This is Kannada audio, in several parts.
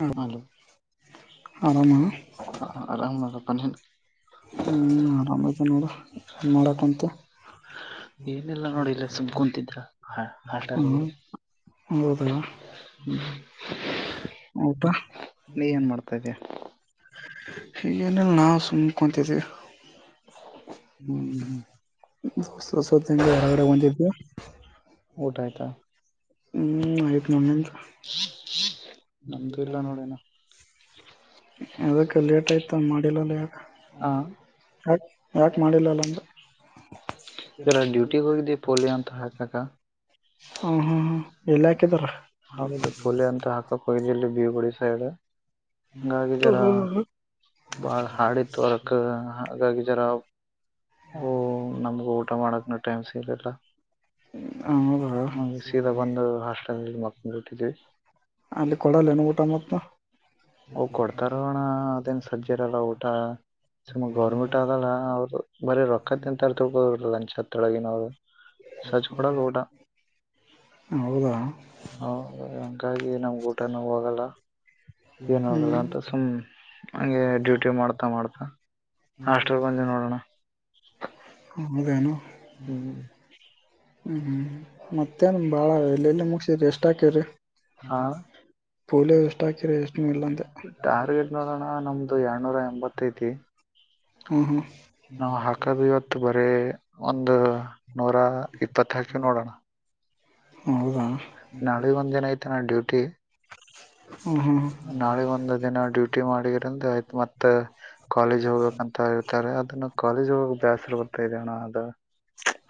ಹ್ಮ ಆರಾಮ ಹ್ಮ್ ಆರಾಮ್ತ ನೋಡ ನ್ ಮಾಡೋಕಂತ ಏನೆಲ್ಲಾ ನೋಡಿಲ್ಲ ಸುಮ ಕುಂತಿದ್ದ ಆಟ ಹದ ನೀ ಏನ್ ಮಾಡ್ತಾ ಇದೀಯ ಹೀಗೇನ ನಾವು ಸುಮ್ಕೊತಿದ್ದೀವಿ ಹ್ಮ್ ದಸರ ಕಡೆ ಒಚಿದ್ದ ಊಟ ಆಯ್ತಾ ಹ್ಮ್ ಆ ನನೆಂತ ನಮ್ದು ಇಲ್ಲ ನೋಡೇನ ಅದಕ್ಕೆ ಲೇಟ್ ಆಯ್ತ ಮಾಡಿಲ್ಲಲ್ಲ ಯಾಕ ಹ ಯಾ ಯಾಕೆ ಮಾಡಿಲ್ಲಲ್ಲ ಅಂದು ಎಲ್ಲ ಡ್ಯೂಟಿಗೆ ಹೋಗಿದ್ದೀವಿ ಪೋಲಿ ಅಂತ ಹಾಕಕ ಹ ಹಾ ಹಾ ಎಲ್ಲಿ ಹಾಕಿದಾರ ಹೌದು ಪಫುಲೆ ಅಂತ ಹಾಕಕ್ಕಯ್ಲಿ ಇಲ್ಲಿ ಬೀ ಬಳ ಸೈಡು ಗಂಗಾಗಿ ಜರ ಬಾಳ ಹಾಡಿ ತೋರಕ್ ಗಾಗಿ ಜರ ಓ ನಮಗೂ ಊಟ ಮಾಡಕ್ನ ಟೈಮ್ ಸಿ ಇರಿಲ್ಲ ಹೌದಾ ಹ್ಮ್ ಸೀದಾ ಬಂದು ಹಾಸ್ಟೆಲ್ಲ್ಲಿ ಮಗ್ಬಿಟ್ಟಿದೀವಿ ಅಲ್ಲಿ ಕೊಡಲ್ಲನ ಊಟ ಮತ್ತ ಅವ್ ಕೊಡ್ತಾರಣ ಅದೇನ್ ಸಜ್ಜಿ ಇರಲ್ಲ ಊಟ ಸುಮ್ಮ ಗೌರ್ಮೆಂಟ್ ಆದಲ್ಲ ಅವ್ರುದು ಬರೀ ರೊಕ್ಕತ್ ಎಂತಾರ ತೊಳ್ಕೋದ ಲಂಚ್ ಹತ್ತೊಳಗಿನವರು ಸಜ್ ಕೊಡಲ್ ಊಟ [inaudible] ಹೌದು ಹಂಗಾಗಿ ನಮ್ ಊಟನೂ ಹೋಗಲ್ಲ ಏನ ಹಾಗಲ್ಲಾ ಹ್ಮ್ ಅಂತ ಸುಮ್ ಹಂಗೆ ಡ್ಯೂಟಿ ಮಾಡ್ತಾ ಮಾಡ್ತಾ ಅಷ್ಟ್ರ ಬಂದಿ ನೋಡೋಣ ಹೌದೆನು ಹ್ಮ್ ಹ್ಮ್ ಹ್ಮ್ ಮತ್ತೇನ್ ಬಾಳ ಎಲ್ಲ ಎಲ್ಲಿ ಮುಗಸ್ರರಿ ಎಷ್ಟ ಹಾಕೇವ್ರಿ ಹಾ ಟಾರ್ಗೆಟ್ ನೋಡೋಣ ನಮ್ದು ಎರನೂರ ಎಂಬತ್ತು ತೈತಿ ಹ್ಮ್ ಹ್ಮ್ ನಾವು ಹಾಕದು ಇವತ್ತು ಬರೇ ಒಂದು ನೂರ ಇಪ್ಪತ್ತಕಿವಿ ನೋಡೋಣ ಹೌದಾ ನಾಳೆ ಒಂದಿನ ಆಯ್ತ ನಾ ಡ್ಯೂಟಿ ಹ್ಮ್ ಹ್ಮ್ ನಾಳೆ ಒಂದು ದಿನ ಡ್ಯೂಟಿ ಮಾಡಿದರಂದ ಆಯ್ತು ಮತ್ ತ್ತ ಕಾಲೇಜ್ ಹೋಗ್ಬೇಕ್ ಅಂತ ಹೇಳ್ತಾರೆ ಅದನ್ನ ಕಾಲೇಜ್ ಹೋಗ ಬೇಸ್ರ ಬರ್ತಾ ಇದೆಣ್ಣ ಅದು [inaudible]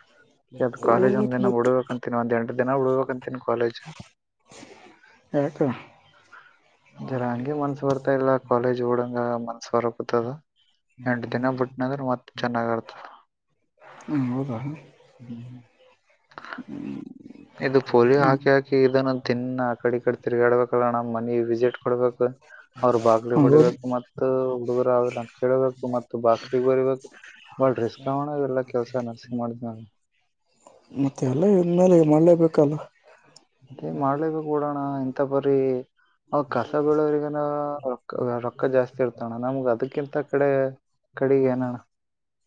ಯಾಕ್ ಕಾಲೇಜ್ ಒಂದ್ ಹೋಗ್ಬೇಕು ದಿನ ಮತ್ತೆ ಬಿಡ್ಬೇಕಂತನಿ ಒಂದ್ ಎಂಟ ದಿನ ಬಿಡ್ಬೇಕಂತನಿ ಕಾಲೇಜ್ ಯಾಕ ಜರ ಹಂಗೆ ಮನ್ಸ ಬರ್ತಾ ಇಲ್ಲ ಕಾಲೇಜ್ ಓಡಂಗ ಮನ್ಸ್ ಬರಪತದ ಎಂಟ ದಿನ ಬಿಟ್ನಂದ್ರೆ ಮತ್ ಚೆನ್ನಾಗರ್ತದ ಹ್ಮ್ ಹೌದಾಣ್ಣ ಹ್ಮ್ ಇದು ಪೋಲಿಯೋ ಹಾಕಿ ಹಾಕಿ ಇದನ್ನು ತಿನ್ನ ಆಕಡಿ ಕಟ್ಟು ತಿರುಹೇಳ್ಬೇಕಲ್ಲ ಅಣ್ಣ ಮೊನ್ನಿ ವಿಸಿಟ್ ಕೊಡ್ಬೇಕು ಅವರು ಬಾಗ್ಲು ಹೌದು ಹೊಡಿಬೇಕು ಮತ್ತ ಹುಡುಗುರ್ ಅವರ ಅಂತ ಕೇಳ್ಬೇಕು ಮತ್ ಬಕ್ಲಿಗ್ ಬರಿಬೇಕು ಬಾಳ ರಿಸ್ಕ್ ಆಗೋಣ ಎಲ್ಲಾ ಕೆಲ್ಸ ನರ್ಸಿ ಮಾಡ್ದ್ ಮತ್ತೆ ಎಲ್ಲ ಇ ಮೇಲೆ ಮಾಡ ಕಲ ಮತ್ತೆ ಮಾಡ್ಲಬೇಕ ಕುಡೋಣ ಇಂಥ ಬರೀ ಅವ ಕಸ ಬಳೋವರಿಗನ ರೊ ರೊಕ್ಕ ಜಾಸ್ತಿ ಇರ್ತಣ ನಮ್ಗ ಅದಕ್ಕಿಂತ ಕಡೆ ಕಡಿಗೆ ನಣ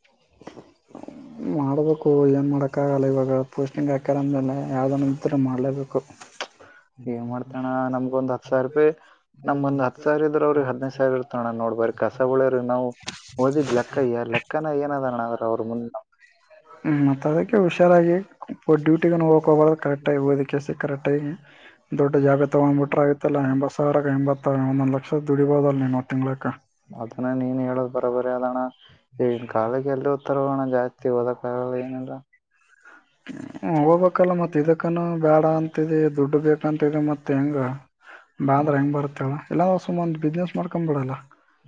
[inaudible] ಮಾಡಬೇಕು ಏನು ಏನಣ್ಣ ಮಾಡೋಕ್ಕಾಗಲ್ಲ ಇವಾಗ ಪೋಸ್ಟಿಂಗ್ ಹಾಕಾರ ಅಂದ್ಮೇಲೆ ಯಾವುದಾದ ನಂತರ ಮಾಡಲೇಬೇಕು ಹ್ಮ್ಮ ನಮ್ಗ ಒಂದ ಹತ್ ಸಾವಿ ರೂಪಾಯ್ ನಮ್ಗೊಂದ ಹ ಸಾವಿರ ಇದ್ರ ಅವ್ರ ಹದಿನೈದುಾವ ಕಾಗಿ ಇರ್ತಣ ನೋಡ್ಬ್ರ ಕಸುಳ್ಯರು ನಾವು ಓದಿದ್ ಲೆಕ್ಕಯ್ಯ ಲೆಕ್ಕನ ಏನದಣದ್ರ ಅವ್ರ ಮುಂದ ಹ್ಮ್ ಮತ್ತ ಅದಕ್ಕೆ ಹುಷಾರಾಗಿ. ಇ ಡ್ಯೂಟಿಗನ ಹೋಗಕೋಬಾರ್ದದು ಕರೆಕ್ಟಾಗಿ ಓದಕ್ಕೆಸ ಕರೆಕ್ಟಾಗಿ ದೊಡ್ಡ ಜಾಗ ತಗೊಂಡ್ಬಿಟ್ರ ಆಯ್ತಲ್ಲ ಎಂಬತ್ ಸಾವಿರಕ್ಕೆ ಎಂಬತ್ತ ಒಂದೊಂದ್ ಲಕ್ಷದ ದುಡಿಬೋದಲ್ಲ ನೀ ತಿಂಗಳಕ ತನ ನೀನ್ ಹೇಳೋದ ಬ ಬರದೋಣ ಈಗಿನ್ ಕಾಲಕ್ಕೆ ಎಲ್ಲೋ ಓತ್ತರ ಹೋಗೋಣ ಜಾಸ್ತಿ ಹಓದಕ್ಕ ಆಗಲ್ಲ ಏನಿಲ್ಲ ಹೋಗ್ಬೇಕಲ್ಲ ಮತ್ತು ಇದಕ್ಕ ಬೇಡ ಅಂತಿದೆ ದುಡ್ಡು ಬೇಕಂತಿದೆ ಮತ್ತು ಹೆಂಗ ಇಲ್ಲಾಂದ್ರೆ ಹೆಂಗ್ ಬರುತ್ತಳು ಎಲ್ಲಾರ ಸುಮ್ ಒಂದ ಬಿಸ್ನೆಸ್ ಮಾಡ್ಕೊ್ ಬಿಡಲ್ಲ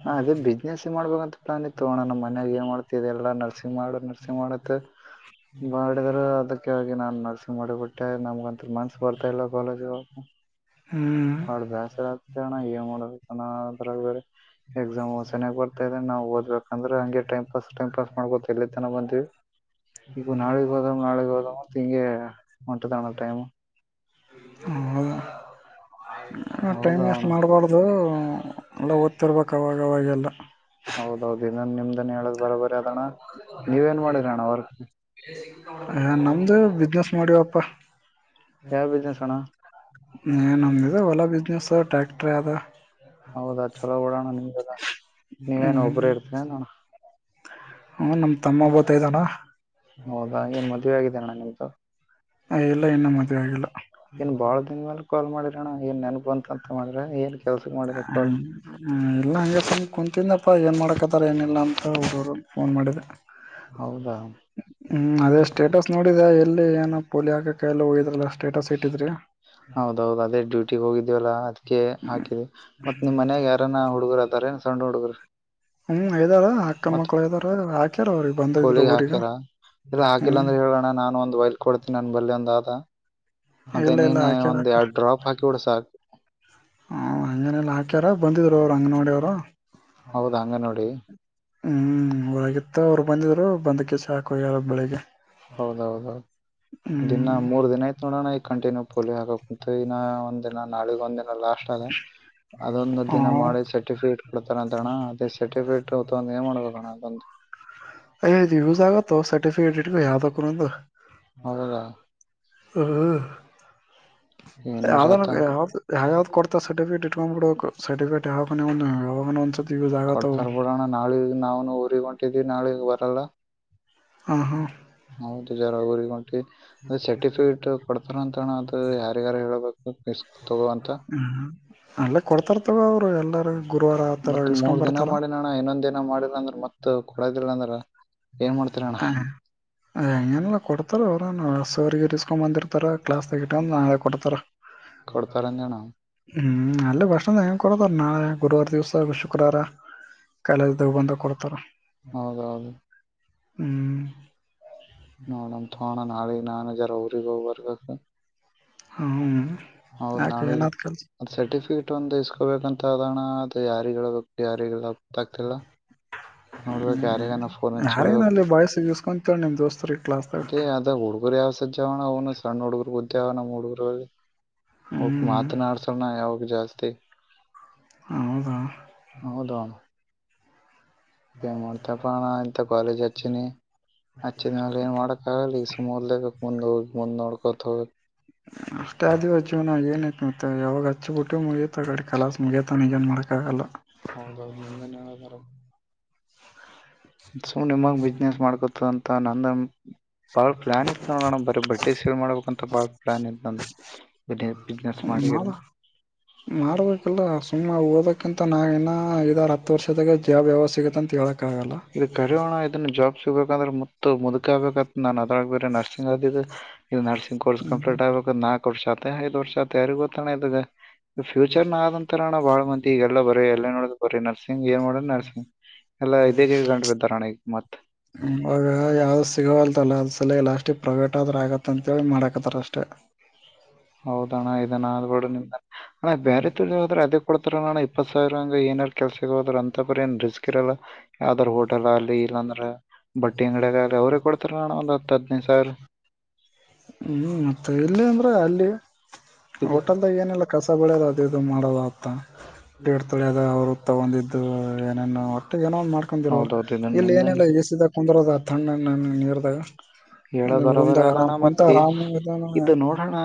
ನಾ ಅದೇ ಬಿಸ್ನೆಸ್ ಮಾಡ್ಬೇಕಂತ ಪ್ಲಾನ ಇ ತಗೋಣ ನಮ್ಮ ಮನ್ಯಾಗ ಏ ಮಾಡ್ತಿದೆಲ್ಲ ಎಲ್ಲ ನರ್ಸಿಂಗ್ ಮಾಡ ನರ್ಸಿಂಗ್ ಮಾಡುತ್ತ ಮಾಡಿದ್ರ ಅದಕ್ಕೆ ನಾನ. ನರ್ಸಿಂಗ್ ಮಾಡಿಬಿಟ್ಟೆ ನಮ್ಗ ಅಂತ ಮನ್ಸ್ ಬರ್ತಾ ಇಲ್ಲ ಕಾಲೇಜ. ಹ್ಮ್ ಮಾಡಾ ಬೇಸರ ಆತ್ ಅಣ್ಣ ಏನ್ ಮಾಡಬೇಕಣರ ಬೇರೆ. ಎಕ್ಸಾಮ್ ಸೆನ್ನಾಗಾಗಿ ಬರ್ತಾ ಇದ ನಾವು ಓದ್ಬೇಕಂದ್ರೆಂ ಟೈ್ ಪಾಸ್ ಟೈಮ್ ಪಾಸ್ ಮಾಡ್ಕೋ ಎಲ್ಲಿ ತನ ಬಂದಿವವಿ. ಇವು ನಾಳೆಗೆ ಹೋದಾಮ ನಾಳೆಗೆ ಹೋದಾಮ ತಂಗೆ ಒಂಟ ತಾಣ ಟೈಮು. [unintelligible] ಹ ಟೈಮ್ ವೇಸ್ಟ್ ಹೌದಣ ಮಾಡ್ಬಾರ್ದು ಎಲ್ಲ ಓದ್ತಿರ್ಬೇಕಕ್ ಅವಾಗವಾಗೆಲ್ಲ. ಹೌದೌದು ಇನ್ನನ್ ನಿಮ್ದನ ಹೇಳೋ್ ಬರೋಬರಿ ಅದಣ. ಹ ನಮ್ದು ಬಿಸ್ನೆಸ್ ಮಾಡಿವಪ್ಪಾ. ಯಾವ ಬಿಸ್ನೆಸ್ ಅಣ್ಣ ಏ ನಂದಿದೆ ಹೊಲ್ಲ ಬಿಸ್ನೆಸ್ ಟ್ರ್ಯಾಕ್ಟರ್ ಅದ. ಹೌದಾ ಚಲೋ ಉೋಡೋಣ ನಿಮಗೆಲ್ಲ ನೀವೇನ್ ಒಬರೇ ಇರ್ತೀನ ನೋಣ. ಹ ನಮ ತಮ್ಮ ೊತ ಇದ್ದಾರ. ಹೌದಾ ಏನ್ ಮದುವೆ ಆಗಿದ್ದ ಅಣ್ಣ ನಿಮ್ದು. ಇಲ್ಲ ಇನ್ನು ಹ್ಮ್ಮ ಮದ್ವೆ ಆಗಿಲ್ಲ ಏನ್ ಬಾಳ ದಿನ ಮ್ಯಲ್ ಕಾಲ್ ಮಾಡಿರಣ ಏನ್ ನನ್ಗ್ ಬಂತಂತ ಮಾಡ್ರೆ. ಹ್ಮ ಇಲ್ಲ ಹಂಗೆ ಸಮ ಕುಂತಿಂದಪ್ಪಾ ಏನ್ ಮಾಡ್ಕತಾರ ಏನಿಲ್ಲಾ ಅಂತ ಹರು. ಫೋನ್ ಮಾಡಿದೆ ಹೌದಾ ಹ್ಮ ಅದೇ ಸ್ಟೇಟಸ್ ನೋಡಿದೆ ಎಲ್ಲಿ ಏನಪ್ಪ. ಪೊಲಿ ಆಾಕ ಕ ಕೆಲ ಹೋಗದರ ಅಲ್ಲ. ಹೌದೌದು ಅದೇ ಡ್ಯೂಟಿಗೆ ಹೋಗಿದೀವಲ್ಲ. ಕೆ ಹಾಕಿದೆವಿ ಮತ್ತತ್ ನಿಮ್ಮ ಮನ್ಯಾಗ ಯಾರನ್ನ ಹುಡುಗರು ಅತಾರೆ ಸಣ್ಣ ಹುಡುಗರು. ಹ್ಮ್ ಇದಾರ ಅಕ್ಕನ ಮತ್ತ ಮಕ್ಳು ಇದಾರ ಹಾಕ್ಯಾರ ಅವ್ರಿಗೆ ಬಂದಿದ್ರು ಪೋಳಿಗೆ ಊರಿಗೆ ಹಾಕ್ಯರ. ಇಲ್ಲ ಹಾಕಿಲ್ಲ ಹ್ಮ್ ಅಂದ್ರೆ ಹೇಳೋಣ ನಾನು ಒಂದ ವ. ಕೊಡ್ತೀನಿ ನನ್ನ ಬಲ್ಲಿಿ ಒಂದ ಅದೇ ಇಲ್ಲ ಇಲ್ಲ ನೀನ ಒಂದ ಎರಡು ಡ್ರಾಪ್ ಹಾಕಿ ಬಿಡ ಸಾಕು. ಹ ಅನಲ್ಲಾಕರ. ಬಂದಿದ್ರು ಅವರು ಹಂಗ ನೋಡಿ ಅವರು ಹೌದ ಹಂಗ ನೋಡಿ ಹ್ಮ್ ಹೊರಗತ್ತ ಅವರು. ಬಂದಿದ್ರು ಬಂದಕ್ಕೆ ಸಾಕು ಯಾರ ಬೆಳಿಗ್ಗೆ. ಹೌದೌದೌದು್ ದಿನ ಹ್ಮ್ ಮೂರ್ ದಿನ ಆಯತು ನೋಡೋಣ ಈ ಕಂಟಿನ್ಯೂ ಪೋಲಿಯೋ ಹಾಕಕ್. ಮ ಇನ್ನ ಒಂದ್ ದಿನ ನಾಳಗ್ ಒಂದ್ ದಿನ ಲಾಸ್ಟ್ ಆದದ. ಅದೊಂದ ದಿನ ಹ್ಮ್ ಮಾಡಿ ಸರ್ಟಿಫಿಕೇಟ್ ಕೊಡ್ತಾರ ಅಂತ ಅಣ್ಣ ಅದೇ ಸರ್ಟಿಫಿಕೇಟ್ ಒಂದ ಏನ್ ಮಾಡ್ಬೇಕ ಅಣ್ಣ ಅದೊಂದು. ಅಯದು ಯೂಸ್ ಆಗತ್ತೋ ಸರ್ಟಿಫಿಕೇಟ್ ಇಟ್ಕ ಯಾವ್ದಕಂದು. ಹೌದಾ ಹ್ಮ್್ಮ. ಏನ್ ಯಾವ್ದ ವಿಜಾತ ಯಾವ್ದ ಯಾವ್ದ್ ಕೊಡ್ತ ಸರ್ಟಿಿಕಟ್ ಇಟ್ಕೊಂಡ್ಬ ಬಿಡ ಸರ್ಟಿಫಿಕೇಟ್ ಯಾವ ಯ. ಕೊಡ್ತಾರ್ ಬಿಡೋಣ ನಾಳಿಗ್ ನಾವ್ನು ಊರಿಗೆಗ್ ಹೊಂಟಿದೀವಿ ನಾಳಿಗ್ ಬರಲ್ಲ. ಹಾಂ ಹಾಂ [unintelligible] ಅ ಸರ್ಟಿಫಿಕೇಟ್ ಕೊಡ್ತಾರ ಅಂತ ಅದು ಯಾರ ಯಾರು ಹೇಳಬೇಕು ತಗೋಂತ. ಹ್ಮ್ ಅಲ್ಲ ಕೊಡ್ತಾರ ತಗೋ ಅವರು ಎಲ್ಲಾರ ಗುರುವಾರ ಆತರ ಮತ್ತತ್ ಮೂರ್ ಇಸ್ಕೊಂಡ್ ದಿನ ಬರ್ತಾರ ಮಾಡಿ ನಣ ಇನ್ನೊಂದ್ ದಿನ ಮಾಡಿ. ಲ್ಲ ಅಂದ್ರ ಮತ್ ಕೊಡದಿಲ್ಲ ಅಂದ್ರ. ಏನ್ ಮಾಡ್ತೀರಣ್ಣ ಹ ಎಲ್ಲ ಕೊಡ್ತಲ್ಲ ಅವರ ರಸ. ಹಕೊಂಬಂದಿರ್ತಾರ ಕ್ಲಾಸ್ ತ ಇಕೊಂಡ್ ನಾಳ ಕೊಡ್ತಾರ. ಕೊಡ್ತಾರಂದಣ ಹ್ಮ್ ನಲ್ಲ ಭಷಣದ. ಶುಕ್ರದ ನಾಳೆ ಗುರುವಾರ ದಿವಸ ಶುಕ್ರವಾರ. ಕಾಲೇಜ್ದಾಗ ಬಂದಾಗ ಕೊಡ್ತಾರ ಹೌದ ಹೌದು. ಹ್ಮ್ ನೋಡಣತ್ೋಣ ನಾಳೆ ನಾನಜರ ಅವ್ರಗ ಹೋಗ ಬರ್ಗಕ್. ಹ್ಮ್ ಹೌದು ಯಾಕೆ ನಾಳೆಗೆ ಏನಾದ್ ಕೆಲ್ಸ ಅದ್ ಸರ್ಟಿಫಿಕೇಟ್ ಒಂದ್ ಇಸ್ಕೊಬೇಕಂತ ಅದಣ ಅದ ಯಾರಿಗ ಬು ಯಾರಿಲ್ಲ ಆಗ್ತಿಲ್ಲ. ಹ್ಮ್ ಹಚ್ಚಿ ಹೇಳ್ಬೇಕು ಯಾರೇನಲ್ಲಿ ಬಾಯಸಗಸ್ಕೊಂತಳ ನಿಮ್ ದೋಸ್ತರಿಗೆ. ಕ್ಲಾಸ್ದಾಗ ಅದೇ ಅದ ಹುಡ್ಗರು ಯಾವ್ ಸಜ್ಜವಣ ಅವ್ನು ಸಣ್ಣ ಹುಡುಗರ್ ಉದ್ಯವನ ಹುಡುಗರುಲ್ಲಿ. ಹಕ್ ಹ್ಮ್ ಮಾತನಾಡ್ಸಣ ಯಾವಾಗ ಜಾಸ್ತಿ. ಹೌದ.. ಇಏನ್ ಮಾಡ್ತಾ ಪಣ ಇಂತ ಕಾಲೇಜ್ ಹಚ್ಚಿನ. ಹಚ್ಚ ದಿನಾಲ ಏನ್ ಮಾಡಕಕ್ಕಾಗಲಿ ಈಗ ಸುಮದಲೇಬೇಕಕ್ ಮುಂದ್ ಹೋಗಿ ಮುಂದ್ ನೋಡ್ಕೋತ ಹೋಗ. ಅಷ್ಟೇ ಆದ ದಿವ ಜೀವನಾಗ ಏನ್ಯತ ಮತ್ತ ಯಾವಾಗ ಹಚ್ಚಿಬಿಟ್ಟು ಮುಳ ಗಡೆ ಕಲ ಮುಗತಾನ ಈಗೇನ್ ಮಾಡ್ಕ್ಕಾಗಲ್ಲ ಸು ನಿಮಗ್ ಬಿಸ್ನೆಸ್ ಮಾಡ್ಕೊತದಂತ ನಂದ ಬಾಳ ಪ್ಲಾನ್ ಇಐತ್ ನೋಡ ನ ಬರೀ ಬಟ್ಟೆ ಸೇಲ್ ಮಾಡ್ಬೇಕಂತ ಬಾಳ ಪ್ಲಾನ್ಐತ್ ನ ಬಿಸ್ನೆಸ್ ಮಾಡಿರಿಂದ ಮಾಡಾರಬೇಕಿಲ್ಲ ಸುಮ್ಮನೆ ಓಡ್ಬೇಕಂತ ನಾ ನ ಇದಾರೆಪ್ಪ ಹತ್ತು ವರ್ಷದಾಗ ಜಾಬ್ ಯಾವಾಗ ಸಿಗತ್ತ ಅಂತ ಹೇಳಕ್ಕಾಗಲ್ಲ ಇದು ಕರಿೋಣ ಇದನ್ನ ಜಾಬ್ ಸಿಗ್ಬೇಕಂದ್ರೆ ಮುತ್ತ ಮುದ್ಕ ಆಗ್ಬೇಕತ್ ನನ್ ಅದ್ರಾಗ ಬೇರೆ ನರ್ಸಿಂಗ್ ಆದದಿದ್ದು ಇ ನರ್ಸಿಂಗ್ ಕೋರ್ ಕಂಪ್ಲೀಟ್ ಆಗ್ಬೇಕು ನಾಲ್ಕು ವರ್ಷ ಆತೆ ಐದು ವರ್ಷ ಆಐತ ಯಾರಿಗ ಗೊತ್ತಣೆ ಇದಗ ಫ್ಯೂಚರ್ ನ ಆದಂಂತರಣ ಬಾಳ ಮಂದಿ ಈಗೆಲ್ಲ ಬರರಿ ಎಲ್ಲ ನೋಡ್ ಬ್ರ ನರ್ಸಿಂಗ್ ಏ ಮಾಡೋ ನರ್ಸಿಂಗ್ ಎಲ್ಲ ಆಯ್ತು ಅವ ಯಾವ ಯಾವದು ಸಿಗವಲ್ದಲ್ಲ ಅ್ರ ಸಲ ಲಾಸ್ಟ ಪ್ರೈವೇಟ್ ಆದ್ರರು ಆಗತ್ತ ಅಂತೇಳಿ ಮಾಡಕತ್ತಾರ ಅಷ್ಟೆ ಹೌದಣ್ಣ ಇದಣ ಅ್ಬಡು ನಿಮ ಅಣ್ಣ ಬೇರೆ ತರ್ ಜದ್ರ ಅದೇ ಕೊಡ್ತಾರಣ್ಣ ಸಾವಿರಂಗ ಏನಾರ ಕೆಲ್ಸಗ ಹೋದ್ರ ಅಂತ ಬರ ಏನ್ ರಿಸ್ಕ್ ಇರಲ್ಲ ಯಾವದಾರ ಹೋಟೆಲ್ ಅಲ್ಲಿ ಇಲ್ಲಾಂದ್ರ ಬಟ್ಟಿ ಅಂಗಡ ಅವರೇ ಕೊಡ್ತಾರ ಅಣ್ಣ ಒಂದ್ ಹತ್ತು ಹದಿನೈದು ಸಾವಿರ ಹ್ಮ್ ಮತ್ತೆ ಇಲ್ಲಿ ಅಂದ್ರೆ ಅಲ್ಲಿ ಇದು ಹೋಟೆಲ್ದಾಗ ಏನಲ್ಲ ಕಸ ಬೆಳದ ಅದು ಇದು ಮಾಡೋದ ಆತ ಹ್ಮ್ಮ ತಳಿಯದ ಅವ್ರು ತಗೊಂಡಿದ್ದು ಏನೇನುೋ ಅಷ್ಟ ಏನೋ್ ಮಾಡ್ಕೊಂಡಿರರು ಹೌದೌದು ಇದನ್ ಇಲ್ಲಿ ನಿಮ್ದನ್ ಏನಲ್ಲ ಎಸಿದಾಗ ಕುಂದರೋದ ತಣ್ಣ ನೀರ್ದಾಗ ಹೇಳ ಬರೋಬರಿ ಅೂಮದಾಗ ಆರಾಮ್ ಆದಣ್ಣ ಕುಂತ ಮತ್ತೆ ಆರಾಮ್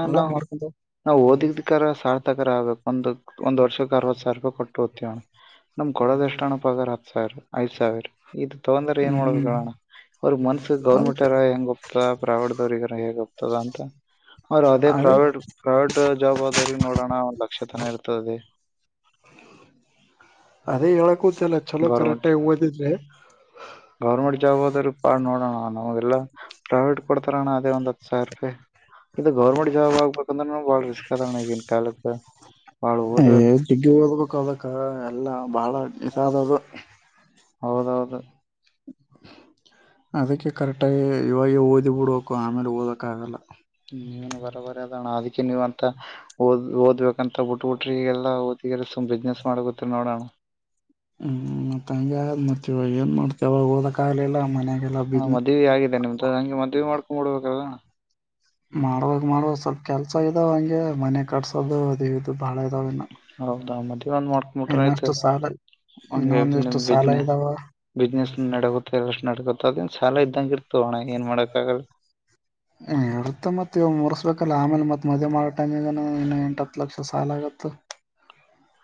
ಎಲ್ಲ ಮಾಡ್ಕೊಂಡ ನಾವವು ಓದಿದಕರ ಸಾರ್ ತಕ ಆಗ್ಬೇಕು ಒಂದ ಒ್ ವರ್ಷಕ್ಕೆ ಅರವತ್ ಸಾವಿರ ರೂಪಾಯಿ ಕೊಟ್ಟು ನಮ್ ಕೊಡೋದ ಎಷ್ಟು ಅಣಪಗಾರ ಹತ್ ಸಾವಿರ ಐದ್ ಸಾವಿರ ಇದು ತಗಂದ್ರ ಏನ್ ಹ್ಮ್ ಹ್ಮ್ ಮಾಡ್ಬೇಕೋಣ್ಣ ಅವ್ರ ಮನ್ಸ ಅದಕ್ಕೆ ಗೌರ್ಮೆಂಟ್ರ ಹೆಂಗ ಹತ ಪ್ರಾವಡ್ದವ್ರಗಾರ ಹೇಗ್ ಹೋಗ್ತದ ಅಂತ ಅವ್ರ ಅದೇ ಅದ ಪ್ರೈವೇಟ್ ಪ್ರೈವೇಟ್ ಜಾಬ್ ಆದ್ರ ನೋಡೋಣ ಒಂದ್ ಲಕ್ಷ ತನ ಇರ್ತದೆ ಅದೇ ಹೇಳಕೂತ್ಲ್ಲ ಚಲೋ ಗೌರ್ಮೆಂಟ್ ಕರೆಕ್ಟ್ಾಗಿ ಓದಿದ್ರೆ ಗೌರ್ಮೆಂಟ್ ಜಾಬ್ ಆದದ್ರ ಪಾ ನೋಡೋಣ ನಮಗೆಲ್ಲಾ ಪ್ರಾವಟ್ ಕೊಡ್ತಾರ ಅಣ್ಣ ಅದೆ ಒಂದ್ ಹತ್ತು ಸಾವಿರ ರೂಪಾಯಿ ಇದು ಗೌರ್ಮೆಂಟ್ ಜಾಬ್ ಆಗ್ಬೇಕಂದ್ರೆ ಬಾಳ ರಿಸ್ಕ್ ಅದಣ ಈಗನ್ ಕಾಲದ ಏಗ ಸಿಟಿ ಒಳ್ಗ್ ಹೋಗಬೇಕದಕ್ಕ ಎಲ್ಲ ಬಹಳ ನಿಸಾದದು ಹೌದೌದು ಅದಕ್ಕೆ ಕರೆಕ್ಟಾಗಿ ಇವಾಗ ಓದಿ ಬಿಡಬೇಕು ಆಮೇಲೆ ಓದೋಕ್ಕ ಆಗಲ್ಲ ಹ್ಮ್ೆ ವರ ವರ ಅದ ಆದ ನೀವ್ ಅಂತ ಓದ್ ಓದ್ಬೇಕಂತ ಬಿಟ್ಬುಟ್ರ ಈಗಲ್ಲ ಓದ ಸ್ ಬಿಸ್ನೆಸ್ ಮಾಡ ಗೊತ್ತ ನೋಡೋಣ ಹ್ಮ್ ಮತ್ತ ಹಂಗಗೆ ಆ ಮತವ ಏನ್ ಮಾಡ್ತವಾಗ ಹೋದಕ್ಕಾಗಲಲ್ಲ ಮನ್ಯಾಗ ಹಾ ಮದುವ ಆಗಿದೆ ನಿಮ್ದ ಹಂಗೆ ಮದ್ವಿ ಮಾಡ್ಕೊಂಡ್ಂಬ ಬಿಡ್ಬೇಕಲ್ ಮಾಡುವಾಗ ಮಾಡುವಾಗ ಸ್ವಲ್ಪ ಕೆಲ್ಸ ಇದಾವ ಹಂಗೆ ಮನೆ ಕಟ್ಸೋದು ಅದು ಇದು ಬಾಳ ಇದಾವ ಇನ್ನು ಹೌದಾ ಮದ್ವೆ ಒಂದ್ ಮಾಡ್ಕೊಂಬಿಟ್ರ ಆಯ್ತು ಸಾಲ ಹಗೆ ನಿಮ್ ಇನ್ನೊಂದಿಷ್ಟು ಬ್ ಸಾಲ ಇದಾವ ಬಿಸ್ನೆಸ್ ನಡಗುತ್ತೆ ಎಲ್ಲಷ್ಟು ನಡಗುತ್ತ ಅದ ಚಾಲ ಇದ್ದಂಗರ್ತ ಅಣ ಏನ್ ಮಾಡಕ್ ಆಗಲ್ ್ ಇಡ್ತ ಮತ್ತ ಇವ ಮುರ್ಸ್ಬೇಕಲ್ಲ ಆಮೇಲೆ ಮತ್ತತ್ ಮದುವೆ ಮಾಡ ಟೈಮಗ ಇನ್ನು ಎಂಟತ್ತು ಲಕ್ಷ ಸಾಲ ಆಗುತ್ತ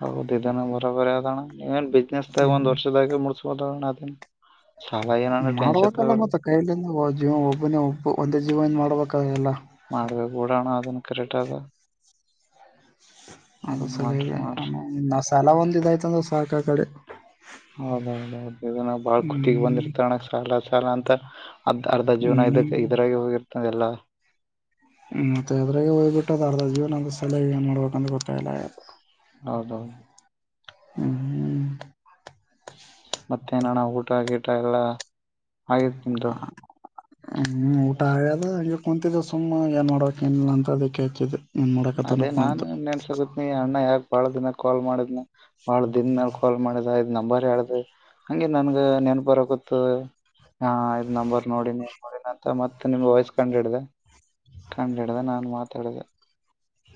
ಹೌದ ಇದನ್ನು ಬರೋಬರಿ ಅದಣ್ಣ ಏನ್ ಬಿಸ್ನೆಸ್ ತ ಒಂದ್ ವರ್ಷದಾಗಿ ಮುಡ್ಸ್ಬೋದಣ ಹ ಮಾಡ್ಬೇಕಲ್ಲ ಮತ್ತ ಕೈಲಿಂದ ಜೀವ ಒಬ್ಬನೇ ಒಬ್ಬ ಒಂದೇ ಜೀವನ್ ಮಾಡ್ಬೇಕ ಎಲ್ಲ ಮಾಡ್ಬೇಕು ೂಡೋಣ ಅದನ್ ಕ್ರಟ್ ಅದ ಅದು ಹ್ಮ್ ಸಲ ಮಾಡ್ರಿ ಮಾಡ್ರಿ ನ್ ಸಾಲ ಒಂದ ಇದಾಯ್ತ ಅಂದ್ರ ಸಾಕ ಕಡೆ ಹೌದೌದೌದು ಇದನ್ನ ಬಾಳ ಕತಿಿಗೆ ಹ್ಮ್ ಬಂದಿರ್ತಣ ಸಾಲ ಸಾಲ ಅಂತ ಅರ್ಧ ಅರ್ಧ ಜೀನ್ ಹ್ಮ್ ಕ್ಕೆ ಇದರಾಗ ಹೋಗಿರ್ತದೆ ಎಲ್ಲ ಹ್ಮ್ ಮತ್ತೆ ಅದ್ರಾಗ ಹೋಗ್ಬ ಬಿಟ್ಟದ ಅರ್ ಜೀವನ ಒ ಸಲಹ ಏ ಮಾಡ್ಬೇಕಂತ ಗೊತ್ತಾಯಲ್ಲ ಆಯ ಹೌದೌದು ಹ್ಮ್ [unintelligible] ಮತ್ತೇನಣ್ಣ ಊಟ ಗೀಟ ಎಲ್ಲಾ ಆಗಿತ್ ನಿಮ್ದು ಹ್ಮ್ ಊಟ ಆ್ಯದ ಹ ಕುಂತಿದ್ದ ಸುಮ್ಮ್ ಏನ್ ನೋಡ್ಬೇಕಕ್ ನ್ಲ್ಲ ಅಂತದ ಅದೇ ನಾನನ್ ನೆನ್ಸಗತ್ನಿ ಅಣ್ಣ ಯಾಕ ಬಾಳ್ದಿನ ಕಾಲ್ ಮಾಡಿದ್ನ ಬಾಳ ದನ್ಲ್ ಕಾಲ್ ಮಾಡಿದ್ ನಂಬರ್ ಹೇಳ್ದ ಹಗೆ ನನ್ಗ ನೆನ್ ಬರಕೊತ್ತ ಹಾ ಇದ್ ನಂಬರ್ ನೋಡಿನಿ ನೋಡಿನ ಅಂತ ಮತ್ತತ್ ನಿಮ್ ವಯಸ್ ಕಂಡ್ಿಡ್ದ ಕಂಡ್ಡದ ನಾನ್ ಮಾತಾಡಿದೆ ಹ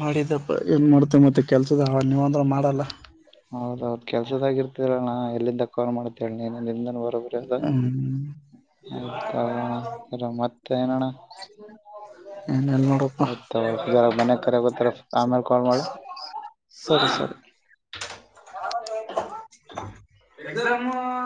ಮಾಡಿದಪ್ಪ ಏನ್ ಮಾಡ್ತೇ ಮತ್ತೆ ಕೆಲ್ಸದ ನೀವ ಅ ಮಾಡಲ್ಲ ಕೆಲ್ಸದಾಗಿ ಇರ್ತಲ್ಲಾ ನಾ ಎಲ್ಲಿಂದ ಕಾಲ್ ಮಾಡ್ದನ ಇ ನಿಂದನ್ ಬರೋಬ್ರಿಂದ ಹ್ಮ್ ಆಯ್ತ್ಗಣ ಸ ಮತ್ತೆ ಏನಣ್ಣ ಏನ ಎಲ್ಲ ನೋಡಪ್ಪಾ ಆಯ್ತ ಜರ ಮನ್ಯಾಗ ಕರೆಗತ್ತಾರ ಆಮೇಲೆ ಕಾಲ್ ಮಾಡು ಸರಿ ಸರಿ ಎಕ್ಸಾಮ್